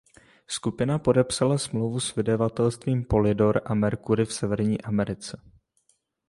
Skupina podepsala smlouvu s vydavatelstvím Polydor a Mercury v Severní Americe.